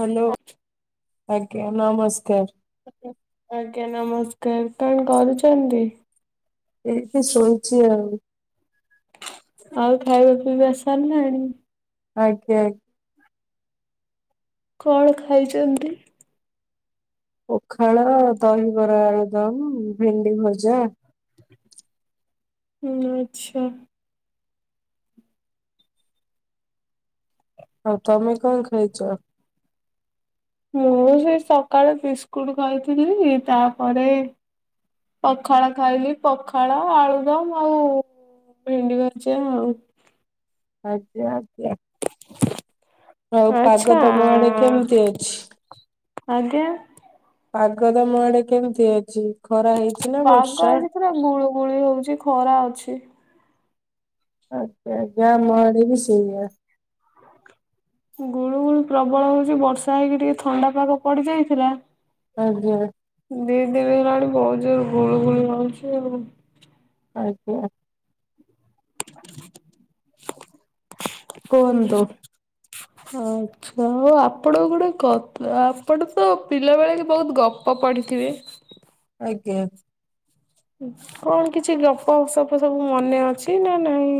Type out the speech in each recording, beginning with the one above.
Hello ଆଜ୍ଞା ନମସ୍କାର। ଆଜ୍ଞା ନମସ୍କାର କଣ କରୁଛନ୍ତି? ଏଇଠି ଶୋଇଚି ଆଉ। ଆଉ ଖାଇବା ପିଇବା ସାରିଲାଣି? ଆଜ୍ଞା ଆଗ୍ କଣ ଖାଇଛନ୍ତି? ପଖାଳ ଦହିବରା ଆଳୁଦମ୍‌ ଭେଣ୍ଡି ଭଜା। ହୁଁ ଆଚ୍ଛା। ଆଉ ତମେ କଁ ଖାଇଚ? ମୁଁ ସେଇ ସକାଳେ ବିସ୍କୁଟୁ ଖାଇଥିଲି ତାପରେ ପଖାଳ ଖାଇଲି ପଖାଳ ଆଳୁଦମ ଆଉ ଭେଣ୍ଡି କରିଛି ଆଉ। ଆଜ୍ଞା ଆଜ୍ଞା। ଆଉ ପାଗ ଆଚ୍ଛା। ତମ ଆଡେ କେମିତି ଅଛି? ଆଜ୍ଞା? ପାଗ ତମ ଆଡେ କେମିତି ଅଛି ଖରା ହେଇଛି ନା ପାଗ ବର୍ଷା? ଆଜି ପୁରା ଗୁଳୁ ଗୁଳି ହଉଚି ଖରା ଅଛି। ଆଜ୍ଞା ଆଜ୍ଞା ଆମ ଆଡେ ବି ସେଇଆ ଗୁଳୁ ଗୁଳୁ ପ୍ରବଳ ହଉଛି ବର୍ଷା ହେଇକି ଟିକେ ଥଣ୍ଡା ପାଗ ପଡ଼ିଯାଇଥିଲା ଆଜ୍ଞା। ଦିଦି ହେଲାଣି ବହୁତ୍ ଜୋର ଗୁଳୁ ଗୁଳି ହଉଛି ଆଉ ଆଜ୍ଞା। କୁହନ୍ତୁ। [unintelligible] ଛ ଆଉ ଆପଣ ଗୋଟେ କଥା ଆପଣ ତ ପିଲାବେଳେ କି ବହୁତ୍ ଗପ ପଢ଼ିଥିବେ। ଆଜ୍ଞା। କଣ କିଛି ଗପସପ ସବୁ ମନେ ଅଛି ନା ନାଇଁ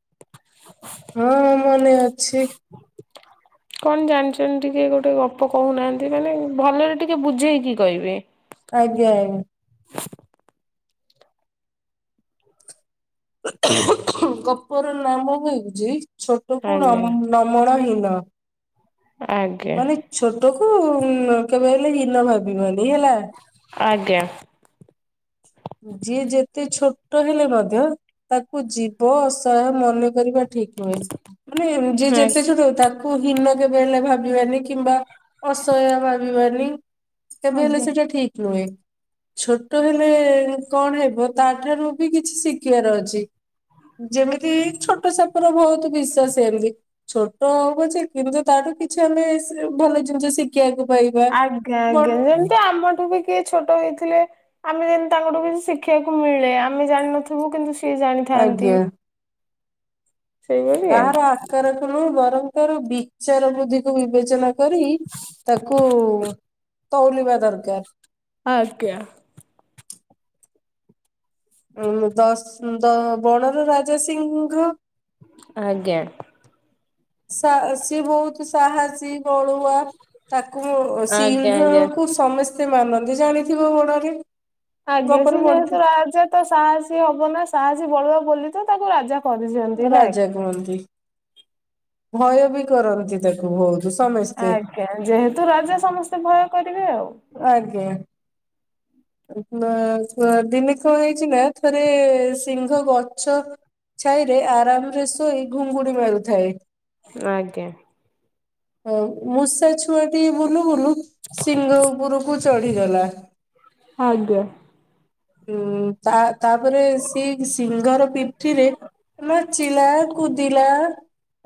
[unintelligible] ହଁ ମନେ ଅଛି। କଣ ଜାଣିଛନ୍ତି ଟିକେ ଗୋଟେ ଗପ କହୁନାହାନ୍ତି ମାନେ ଭଲରେ ଟିକେ ବୁଝେଇକି କହିବେ। ଆଜ୍ଞା୍। ଗପର ନାମ ହଉଛି ଛୋଟ କୁ ଆଜ୍ଞା ନମଣ ହୀନ। ଆଜ୍ଞା। ଛୋଟକୁ କେବେ ହେଲେ ହୀନ ଭାବିବନି ହେଲା। ଆଜ୍ଞା। ଯିଏ ଯେତେ ଛୋଟ ହେଲେ ମଧ୍ୟ ତାକୁ ଜିଭ ଅସହାୟ ମନେ କରିବା ଠିକ୍ ନୁହେଁ ମାନେ ଯିଏ ଆ ଯେତେ ଛୋଟ ହେ ତାକୁ ହୀନ କେବେ ହେଲେ ଭାବିବାନି କିମ୍ବା ଅସାୟ ଭାବିବାନି କେବେ ହେଲେ ଆଜ୍ଞା ଆଜ୍ଞା ସେଇଟା ଠିକ୍ ନୁହେଁ। ଛୋଟ ହେଲେ କଣ ହେବ ତା ଠାରୁ ବି କିଛି ଶିଖିବାର ଅଛି। ଯେମିତି ଛୋଟ ସାପର ବହୁତ୍ ବିଷ ସେମତି ଛୋଟ ହଉ ପଛେ କିନ୍ତୁ ତାଠୁ କିଛି ଆମେ ଭଲ ଜିନିଷ ଶି ଶିଖିବାକୁ ପାଇବା ଆଜ୍ଞା ବଟ ଯେମିତି ଆମଠୁ ବି କିଏ ଛୋଟ ହେଇଥିଲେ ଆମେ ଯେମିତି ତାଙ୍କଠୁ କିଛି ଶିଖିବାକୁ ମିଳେ ଆମେ ଜାଣିନଥିବୁ କିନ୍ତୁ ସିଏ ଜାଣିଥାନ୍ତି‌। ଆଜ୍ଞା। ଆଉ କାହାର ଆକାରକୁ ନୁହେଁ ବରଂ ତାର ବିଚାର ବୃଦ୍ଧିକୁ ବିବେଚନା କରି ତାକୁ ତଉଳିବା ଦରକାର ଆଜ୍ଞା। ଉଁ ଦଶ ବଣର ରାଜା ସିଂଙ୍ଘ ଆଜ୍ଞା। ସା ସିଏ ବହୁତ୍ ସାହସୀ ବଳୁଆ ତାକୁ ଆଜ୍ଞା ସିଂହ ଆଜ୍ଞା। କୁ ସମସ୍ତେ ମାନନ୍ତି ଜାଣିଥିବ ବଣରେ ଆଜ୍ଞା ଗପରେ ସେ ଯେହେତୁ ପଡିଥିବ ରାଜା ତ ସାହସୀ ହବ ନା ସାହସୀ ବଳୁଆ ବୋଲି ତ ତାକୁ ରାଜା କରିଛନ୍ତି ନା ରାଜା କି? କୁହନ୍ତି। ଭୟ ବି କରନ୍ତି ତାକୁ ବହୁତ୍ ସମସ୍ତେ ଆଜ୍ଞା ଯେହେତୁ ରାଜା ସମସ୍ତେ ଭୟ କରିବେ ଆଉ ଆଜ୍ଞା। ଦିନେ କଣ ହେଇଛି ନା ଥରେ ସିଂହ ଗଛ ଛାଇରେ ଆରାମରେ ଶୋଇ ଘୁଙ୍ଗୁଡି ମାରୁଥାଏ। ଆଜ୍ଞା। ମୂଷା ଛୁଆଟି ବୁଲୁ ବୁଲୁ ସିଂହ ଉପରକୁ ଚଢ଼ିଗଲା ଆଜ୍ଞା। ହୁଁ ତା ତାପରେ ସେ ସିଂହର ପିଠିରେ ନାଚିଲା କୁଦିଲା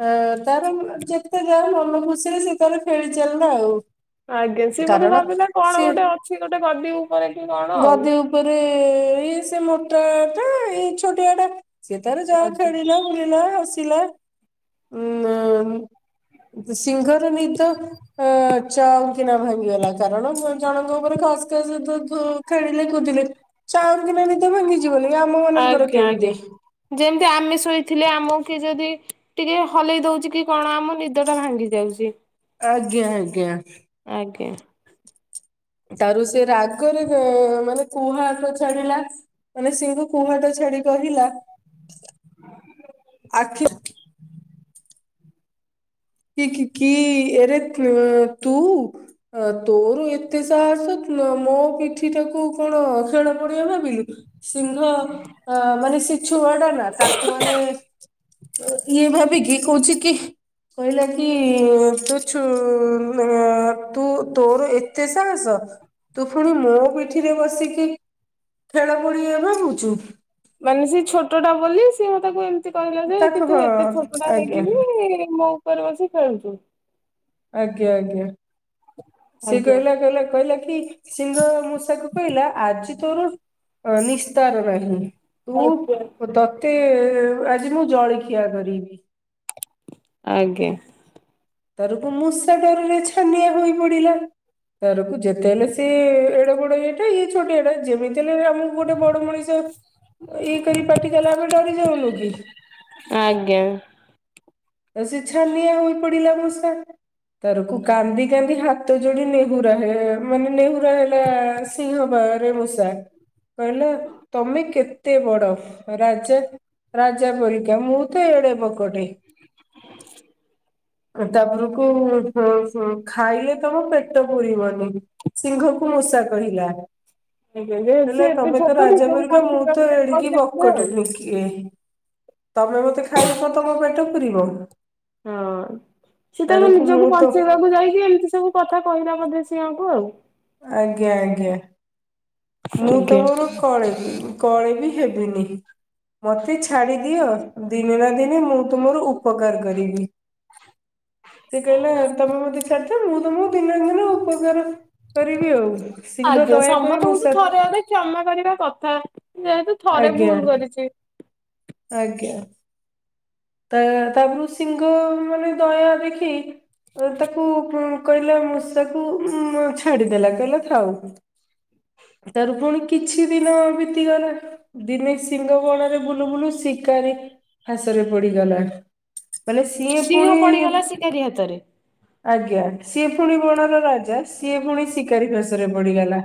ହ ତାର ଯେତେ ଯା ମନ ଖୁସିରେ ସିଏ ତାର ଖେଳି ଚାଲିଲା ଆଉ ଆଜ୍ଞା ସିଏ ବୋଧେ କାରଣ ଭାବିଲା କଣ ସିଏ ଗୋଟେ ଅଛି ଗୋଟେ ଗଦି ଉପରେ କି କଣ ଆଉ ତା ପରେ ଇଏ ସେ ମୋଟାଟା ଏଇ ଛୋଟିଆଟା ସେ ତାର ଯାହା ଆଜ୍ଞା। ଖେଳିଲା। ବୁଲିଲା ଆସିଲା ଉଁ ସିଙ୍ଗର ନିିଦ ଆ ଚ ନା ଭାଙ୍ଗିଗଲା କାରଣ ଜଣଙ୍କ ଉପରେ ଖସ ଖସ ଖେଳିଲେ କୁଦିଲେ ଚାଉଁ କିନା ନିଦ ଭାଙ୍ଗି [inaudible] ଆଜ୍ଞା ଆଜ୍ଞା ଯେମିତି ଆମେ ଶୋଇଥିଲେ ଆମ କିଏ ଯଦି ଟିକେ ହଲେଇ ଦଉଛି କି କଣ ଆମ ନିଦଟା ଭାଙ୍ଗି ଯାଉଛି। ଆଜ୍ଞା ଆଜ୍ଞା। ଆଜ୍ଞା। ତାର ସେ ରାଗରେ ମାନେ କୁହାଟ ଛାଡିଲା ମାନେ ସି କୁହାଟ ଛାଡି କହିଲା ଆଖି କି କି କି ଏରେ ତୁ ତୋର ଏତେ ସାହସ ମୋ ପିଠିଟାକୁ କଣ ଖେଳ ପଡିଆ ଭାବିଲୁ? ସିଂହ ମାନେ ସେ ଛୁଆଟା ନା ତାକୁ ମାନେ ତ ଇଏ ଭାବି କି କହୁଛି କି କହିଲା କି ତୁୁ ଛୁ ଅ ତୋର ଏତେ ସାହସ? ତୁ ପୁଣି ମୋ ପିଠିରେ ବସିକି ଖେଳ ପଡି଼ଆ ଭାବୁଛୁ। ମାନେ ସେ ଛୋଟା ବୋଲି ସି ମ ତାକୁ କହିଲା ଯେ କି ତାକୁ ତୁ ହଁ ଏତେ ଛୋଟଟା ଆଜ୍ଞା ହେଇକିନି ମୋ ଉପରେ ବସି ଖେଳଛୁ। ଆଜ୍ଞା ଆଜ୍ଞା ସିଏ ଆଜ୍ଞା କହିଲା କହିଲା କହିଲା। ସିଂହ ମୂଷାକୁ କହିଲା ଆଜି ତୋର ନିସ୍ତାର ନାହିଁ। ତୁ ଆଜ୍ଞା। ତତେ ଆଜି ମୁଁ ଜଳଖିଆ କରିବି। ଆଜ୍ଞା ଥରକୁ ମୂଷା ଡରରେ ଛାନିଆ ହୋଇ ପଡିଲା। ତରକୁ ଯେତେ ହେଲେ ସିଏ ଏଡେ ବଡ ଇଏଟା, ଇଏ ଛୋଟିଆ ଟା ଯେମିତି ହେଲେ ଆମକୁ ଗୋଟେ ବଡ ମଣିଷ। ଇଏ କରି ପାଟି କଲା ଆମେ ଡରି ଯାଉନୁ କି? ଆଜ୍ଞା ସେ ଛାନଆ ହୋଇ ପ ମୂଷା ଥରକୁ କାନ୍ଦି କାନ୍ଦି ହାତ ଯୋଡି ନେହୁର ମାନେ ନେହ ପା ହେଲା ସିଂହ ପାଖରେ ମୂଷା। କହିଲା ତମେ କେତେ ବଡ଼ ରାଜା। ରାଜା ପରିକା ମୁଁ ତ ଏଡେ଼ ବକଟେ। [inaudible] ତାପରକୁ ଖାଇଲେ ତମ ପେଟ ପୁରିବନି। ସିଂହ କୁ ମୂଷା କହିଲା। ଆଜ୍ଞା ସେ କହିଲା ଏତେ ତମେ ତ ଛୋଟ ରାଜା ନିଜକୁ ପରିକା ମୁଁ ବଞ୍ଚେଇବାକୁ ତ ଯାଇ ଏଡିକି କହିଲେ ବୋଧେ ଆଉ। ବକଟେ ହେଇକି। ତମେ ମତେ ଖାଇଲେ କଣ ତମ ପେଟ ପୁରିବ? ହଁ ସେ ତାଙ୍କ ତାରକୁ ନିଜକୁ ମୁଁ ତ ବଞ୍ଚେଇବା ତାକୁ ଯାଇକି ଏମିତି ସବୁ କଥା କହିଲା ମତେ ସିଆଙ୍କୁ ଆଉ। ଆଜ୍ଞା ଆଜ୍ଞା ମୁଁ ଆଜ୍ଞା। ତମର କଳେ ବି କଳେ ବି ହେବିନି। ମତେ ଛାଡି ଦିଅ ଦିନେ ନା ଦିନେ ମୁଁ ତୁମର ଉପକାର କରିବି। ସେ କହିଲେ ତମେ ମତେ ଛାଡିଛ, ମୁଁ ତମକୁ ଦିନ ଦିନ ଉପକାର। କରିବି ଆଉ ଶିଂଙ୍ଗ ଆଜ୍ଞା ଦୟାକରି ସମସ୍ତଙ୍କୁ ତ ମୂଷାକୁ ଥରେ ଅଧେ କ୍ଷମା କରିବା କଥା ଯେହେତୁ ଥରେ ଆଜ୍ଞା ଭୁଲ କରିଛି। ଆଜ୍ଞା। ତା ତାପରୁ ସିଂହ ମାନେ ଦୟା ଦେଖି ଓ ତାକୁ କହିଲା ମୂଷାକୁ ମୁ ଛାଡିଦେଲା କହିଲା ଥାଉ। ତାର ପୁଣି କିଛି ଦିନ ବିତିଗଲା। ଦିନେ ସିଂହ ବଣରେ ବୁଲୁ ବୁଲୁ ଶିକାରୀ ଫାସରେ ପଡିଗଲା। ମାନେ ସିଏ ସିଂହ ପୁଣି ପଡିଗଲା ଶିକାରୀ ହାତରେ। ଆଜ୍ଞା ସିଏ ପୁଣି ବଣର ରାଜା ସିଏ ପୁଣି ଶିକାରୀ ଫାସରେ ପଡିଗଲା।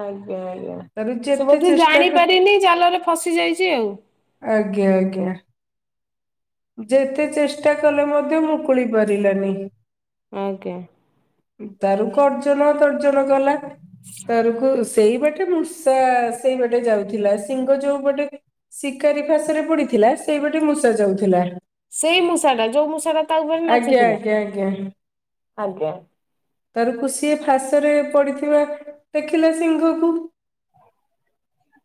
ଆଜ୍ଞା ଆଜ୍ଞା, ତାର ସେ ଯେତେ ବୋଧେ ଚେଷ୍ଟା କଲେ ଜାଣିପାରିନି ଚାଲରେ ଫସି ଯାଇଛି ଆଉ। ଆଜ୍ଞା ଆଜ୍ଞା। ଯେତେ ଚେଷ୍ଟା କଲେ ମଧ୍ୟ ମୁକୁଳି ପାରିଲାନି। ଆଜ୍ଞା। ତାରକୁ କର୍ଜନ ତର୍ଜନ କଲା ତାରକୁ ସେଇ ବାଟେ ମୁଶ୍ ଷା ସେଇ ବାଟେ ଯାଉଥିଲା। ସିଂହ ଯୋଉ ପଟେ ଶିକାରୀ ଫାଶରେ ପଡିଥିଲା ସେଇପଟେ ମୂଷା ଯାଉଥିଲା। ସେଇ ମୂଷା ଟା ଯୋଉ ମୂଷାଟା ତା ଉପରେ ଆଜ୍ଞା ନାଚୁଥିଲା ଆଜ୍ଞା ଆଜ୍ଞା ଆଜ୍ଞା। ତାରକୁ ସିଏ ଫାସରେ ପଡିଥିବା ଦେଖିଲା ସିଂହକୁ।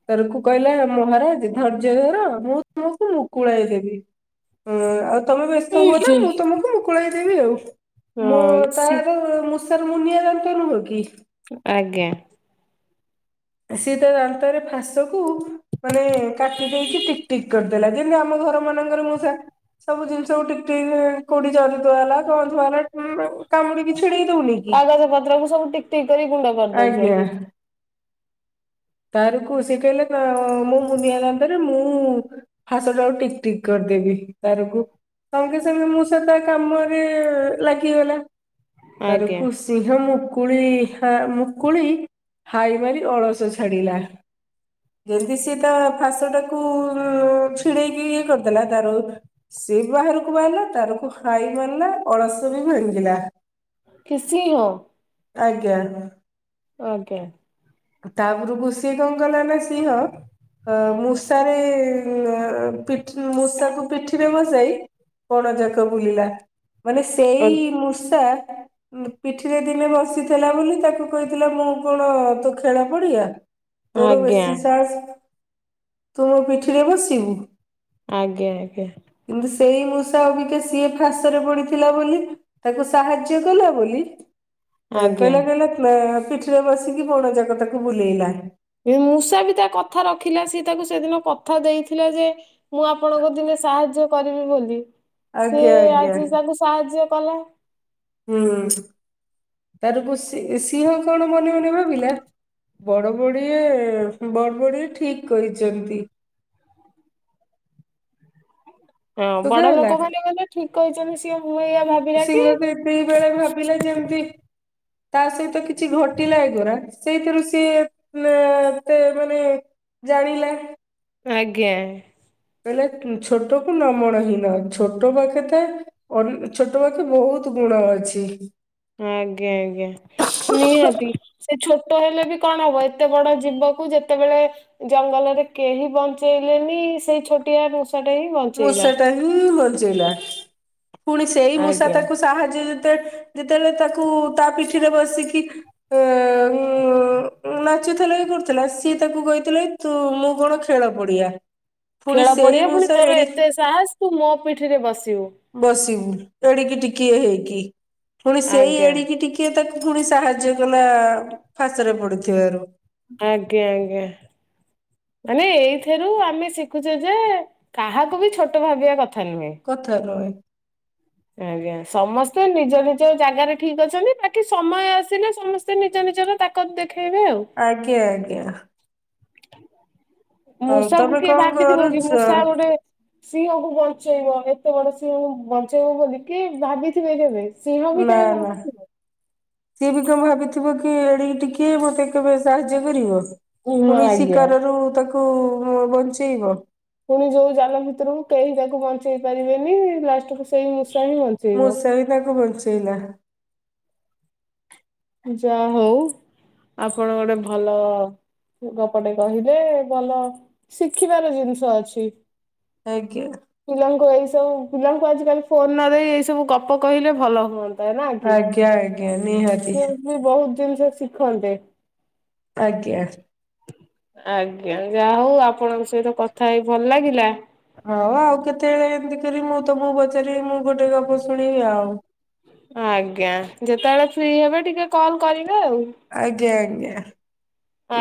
ତାର କୁ କହିଲା ମହାରାଜ ଧୈର୍ଯ୍ୟ ଧର ମୁଁ ତମକୁ ମୁକୁଳାଇ ଦେବି। ଆଉ ତମେ ବ୍ୟସ୍ତ ହୁଅ ନା ଆଜ୍ଞା। ମୁଁ ତମକୁ ମୁକୁଳେଇ ଦେବି ଆଉ ମୁଁ ହଁ ତା ସି ବାଦ୍ ମୁଶ୍ ଷାର ମୁନିଆ ଦାନ୍ତ ନୁହଁ କି। ଆଜ୍ଞା। ସିଏ ତା ଦାନ୍ତରେ ଫାସକୁ ମାନେ କାଟି ଦେଇକି ଟିକ ଟିକ କରି ଲା କି ମୁଁ ଆମ ଘର ମାନଙ୍କରେ ମୂଷା ସବୁ ଜିନିଷକୁ ଟିକ୍ ଟିକ୍ କୋଉଠି ଜରି ଥୁଆଲା କଣ ଥୁଆଲା ଉଁ କାମୁଡିିକି ଛିଡେଇ ଦଉନି। କି କାଗଜ ପତ୍ର କୁ ସବୁ ଟିକ୍ ଟିକ୍ କରି ଗୁଣ୍ଡ କରିଦଉଛନ୍ତି। ଆଜ୍ଞା ତାରକୁ ସିଏ କହିଲେ କ ମୋ ମୁନିଆ ଦାନ୍ତ ରେ ମୁଁ ଫାସ ଟାକୁ ଟିକ୍ ଟିକ୍ କରିଦେବି ତାରକୁ ସଙ୍ଗେ ସଙ୍ଗେ ମୂଷା ତା କାମରେ ଲାଗିଗଲା। ଆଜ୍ଞା। ତାରକୁ ସିଂହ ମୁକୁଳି ହା ମୁକୁଳି ହାଇ ମାରି ଅଳସ ଛାଡିଲା। ଯେମତି ସିଏ ତା ଫାସ ଟାକୁ ଉଁ ଛିଡେଇକି ଇଏ କରିଦେଲା ତାରୁ ସିଏ ବାହାରକୁ ବାହାରିଲା ତାରକୁ ହାଇ ମାରିଲା ଅଳସ ବି ଭାଙ୍ଗିଲା। କି ସିଂହ। ଆଜ୍ଞା। ଆଜ୍ଞା। ତାପରକୁ ସିଏ କଣ କଲା ନା ସିଂହ। ଅ ମୂଷାରେ ଅ ପିଠ ମୂଷାକୁ ପିଠିରେ ବସେଇ ବଣ ଯାକ ବୁଲିଲା ମାନେ ସେଇ ଆଜ୍ଞା ମୂଷା ଉଁ ପିଠିରେ ଦିନେ ବସିଥିଲା ବୋଲି ତାକୁ କହିଥିଲା ମୁଁ କଣ ତୋ ଖେଳ ପଡିଆ। ତୋର ଆଜ୍ଞା ବେଶୀ ସାହସ ତୁ ମୋ ପିଠିରେ ବସିବୁ। ଆଜ୍ଞା ଆଜ୍ଞା। କିନ୍ତୁ ସେଇ ମୂଷା ଅଵିକା ସିଏ ଫାସରେ ପଡିଥିଲା ବୋଲି ତାକୁ ସାହାଯ୍ୟ କଲା ବୋଲି କ ଆଜ୍ଞା। କହିଲା କହିଲା କ ପିଠିରେ ବସିକି ବଣ ଯାକ ତାକୁ ବୁଲେଇଲା। ମୂଷା ବି ତା କଥା ରଖିଲା ସିଏ ତାକୁ ସେଦିନ କଥା ଦେଇଥିଲା ଯେ ମୁଁ ଆପଣଙ୍କ ଦିନେ ସାହାଯ୍ୟ କରିବି ବୋଲି। ସିଏ ଆଜ୍ଞା ଆଜ୍ଞା। ଆଜି ତାକୁ ସାହାଯ୍ୟ କଲା। ହୁଁ ତାରକୁ ସି ସିଂହ କଣ ମନେ ମନେ ଭାବିଲା। ବଡ ବଡିଏ ବ ବଡିଏ ଠିକ କହିଛନ୍ତି। ହଁ ବଡ ଶୁଗାଗଲା। ଲୋକମାନେ ଗ ହେଲେ ଠିକ କହିଛନ୍ତି ସିଏ ମୁଁ ଏଇଆ ଭାବିଲା କି ଦି ବେଳେ ଭାବିଲା ଯେମିତି ତା ସହିତ କିଛି ଘଟିଲା ଏ ଗୁରା। ସେଇଥିରୁ ସିଏ ତେ ଏତେ ମାନେ ଜାଣିଲା। ଆଜ୍ଞା। କଇଲା ଛୋଟ କୁ ନମଣ ହିଁନ ଛୋଟ ପାଖେ ଥାଏ ଅନ ଛୋଟ ପାଖେ ବହୁତ ଗୁଣ ଅଛି। ଆଜ୍ଞା ଆଜ୍ଞା। ନିହାତି ସେ ଛୋଟ ହେଲେ ବି କଣ ହବ ଏତେ ବଡ ଜୀବକୁ ଯେତେବେଳେ ଜଙ୍ଗଲରେ କେହି ବଞ୍ଚେଇଲେନି ସେଇ ଛୋଟିଆ ମୁ ସା ଟେ ବ ମୂଷା ଟା ହିଁ ବଞ୍ଚେଇଲା ପୁଣି ସେଇ ମୂଷା ଆଜ୍ଞା। ତାକୁ ସାହାଯ୍ୟ ଯେତେବେଳେ ଯେତେବେଳେ ତାକୁ ତା ପିଠିରେ ବସିକି [unintelligible] ନାଚୁଥିଲା ଇଏ କରୁଥିଲା ସିଏ ତାକୁ କହିଥିଲା ତୁ ମୁଁ କଣ ଖେଳ ପଡିଆ। ପୁଣି ଖେଳ ସେଇ ପଡିଆ ମୁ ପୁଣି ତୋର ଏତେ ସାହସ ତୁ ମୋ ପିଠିରେ ବସିବୁ। ବସିବୁ ଏଡିକି ଟିକିଏ ହେଇକି ପୁଣି ସେଇ ଆଜ୍ଞା ଏଡିକି ଟିକେ କିଏ ତାକୁ ପୁଣି ସାହାଯ୍ୟ କଲା ଫାଶରେ ପଡିଥିବାରୁ। ଆଜ୍ଞା ଆଜ୍ଞା। ମାନେ, ଏଇଥିରୁ ଆମେ ଶିଖୁଛେ ଯେ, କାହାକୁ ବି ଛୋଟ ଭାବିବା କଥା ନୁହେଁ। କଥା ନୁହେଁ। ଆଜ୍ଞା। ସମସ୍ତେ ନିଜ ନିଜ ଜାଗାରେ ଠିକ ଅଛନ୍ତି। ବାକି ସମୟ ଆସିିଲେ, ସମସ୍ ସ୍ତେ ନିଜ ନିଜର ତାକତ ଦେଖେଇବେ ଆଉ। ଆଜ୍ଞା ଆଜ୍ଞା। ହଉ ମୂଷା କୁ ତମେ କିଏ କଣ ଭାବିଥିବ କି? କରୁଛ ମୂଷା ଗୋଟେ ସିଂହକୁ ବଞ୍ଚେଇବ। ଏତେ ବଡ ସିଂହକୁ ବଞ୍ଚେଇବ ବୋଲି କି ଭାବିଥିବେ କେବେ? ସିଂହ ବି କେବେ ନାଁ ନା। ଭାବିଥିବ ସିଏ ବି କଣ ଭାବିଥିବ କି? ଏଡିକି ଟିକେ। ମତେ କେବେ ସାହାଯ୍ୟ କରିବ? ହଁ ପୁଣି ଆଜ୍ଞା। ଶିକାରରୁ ତାକୁ ବଞ୍ଚେଇବ। ପୁଣି ଯୋଉ ଜାଲ ଭିତରକୁ, କେହି ତାକୁ ବଞ୍ଚେଇ ପାରିବେନି। ଲାଷ୍ଟକୁ ସେଇ ମୂଷା ହିଁ ବଞ୍ଚେଇ ମୂଷା ବି ତାକୁ ବଞ୍ଚେଇଲା। ଯାହା ହଉଲ ଆପଣ ଗୋଟେ ଭଲ ଗପ ଟେ କହିଲେ। ଭଲ ଶିଖିବାର ଜିନିଷ ଅଛି। ଆଜ୍ଞା। ପିଲାଙ୍କୁ ଏଇ ସବୁ, ପିଲାଙ୍କୁ ଆଜିିକାଲି ଫୋନ ନ ଦେଇ, ଏଇ ସବୁ ଗପ କହିଲେ ଭଲ ହୁଅନ୍ତା। ନା କି? ଆଜ୍ଞା ଆଜ୍ଞା। ନିହାତି। ସେ ବି ବହୁତ ଜିନିଷ ଶିଖନ୍ତେ। ଆଜ୍ଞା। ଆଜ୍ଞା। ଯାହା ହଉ, ଆପଣଙ୍କ ସହିତ କଥା ହେଇ ଭଲ ଲାଗିଲା। ହଉ, ଆଉ କେତେବେଳେ ଏମତି କରି ମୁଁ ତମକୁ ପଚାରିବି। ମୁଁ ଗୋଟେ ଗପ ଶୁଣିବି ଆଉ। ଆଜ୍ଞା। ଯେତେବେଳେ ଫ୍ରି ହେବେ, ଟିକେ କଲ୍ କରିବେ ଆଉ। ଆଜ୍ଞା ଆଜ୍ଞା।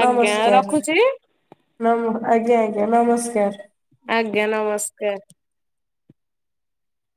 ଆଜ୍ଞା ନମସ୍କାର। ରଖୁଛି ନମ ଆଜ୍ଞା ଆଜ୍ଞା। ନମସ୍କାର। ଆଜ୍ଞା। ନମସ୍କାର।